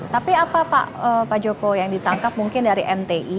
tapi apa pak joko yang ditangkap mungkin dari mti